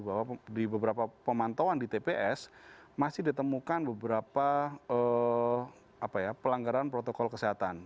bahwa di beberapa pemantauan di tps masih ditemukan beberapa pelanggaran protokol kesehatan